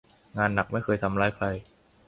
งานหนักไม่เคยทำร้ายใคร